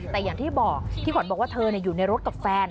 แต่อย่างที่บอกพี่ขวัญบอกว่าเธออยู่ในรถกับแฟน